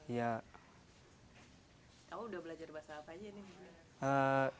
kamu udah belajar bahasa apa aja nih